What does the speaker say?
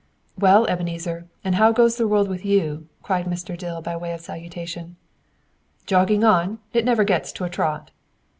"Well, Ebenezer, and how goes the world with you?" cried Mr. Dill by way of salutation. "Jogging on. It never gets to a trot."